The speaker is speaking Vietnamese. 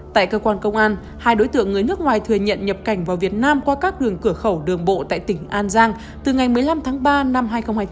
tại cơ quan công an hai đối tượng người nước ngoài thừa nhận nhập cảnh vào việt nam qua các đường cửa khẩu đường bộ tại tỉnh an giang từ ngày một mươi năm tháng ba năm hai nghìn hai mươi bốn